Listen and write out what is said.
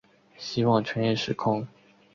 希望穿越时空